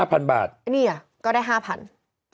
๕พันบาทก็ได้๕พันอันนี้เพราะนะ